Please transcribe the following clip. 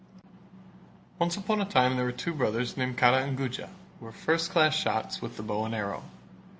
Once upon a time there were two brothers named Kara and Guja who were first class shots with the bow and arrow.